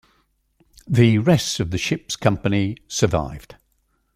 The rest of the ship's company survived.